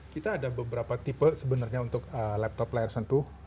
kita ada beberapa tipe sebenarnya untuk laptop layar sentuh